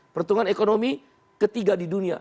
pertumbuhan ekonomi ketiga di dunia